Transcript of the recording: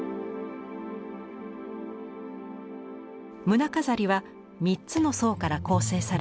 胸飾りは３つの層から構成されています。